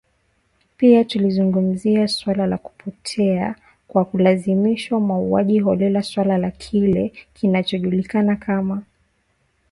Pia tulizungumzia suala la kupotea kwa kulazimishwa mauaji holela suala la kile kinachojulikana kama